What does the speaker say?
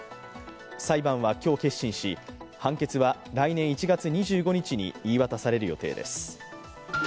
裁判は今日結審し、判決は来年１月２５日に言い渡される予定です。